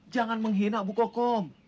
jangan menghina bu kokom